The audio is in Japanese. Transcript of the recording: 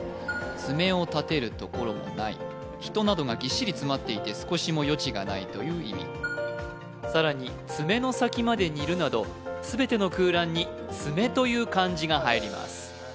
「爪を立てる所もない」人などがギッシリ詰まっていて少しも余地がないという意味さらに「爪の先まで似る」など全ての空欄に「爪」という漢字が入ります